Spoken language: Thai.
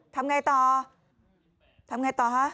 ทำไงต่อทำไงต่อฮะ